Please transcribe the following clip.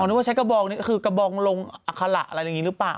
นึกว่าใช้กระบองนี่คือกระบองลงอัคระอะไรอย่างนี้หรือเปล่า